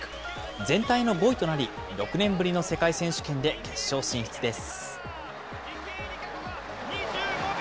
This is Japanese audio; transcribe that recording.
全体の５位となり、６年ぶりの世界選手権で決勝進出です。